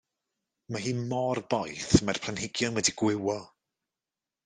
Mae hi mor boeth mae'r planhigion wedi gwywo.